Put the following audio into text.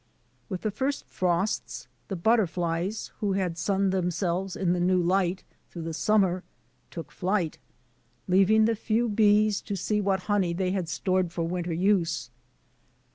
With the first frosts, the butterflies, who had sunned themsdves in the new light through the summer, took flight, leaving the few bees to see what honey they had stored for winter use.